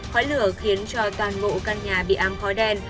khói lửa khiến cho toàn bộ căn nhà bị am khói đen